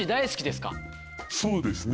そうですね。